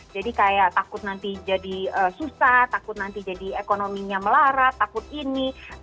jadi kayak takut nanti jadi susah takut nanti jadi ekonominya melarat takut ini